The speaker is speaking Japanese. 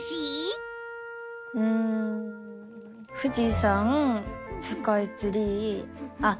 うん富士山スカイツリーあっ！